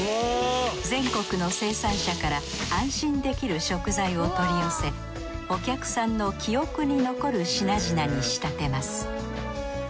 全国の生産者から安心できる食材を取り寄せお客さんの記憶に残る品々に仕立てます